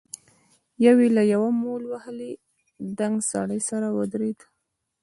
يو يې له يوه مول وهلي دنګ سړي سره ودرېد.